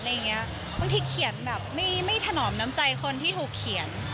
บางทีเขียนแบบไม่ถนอมน้ำใจคนที่ถูกเขียน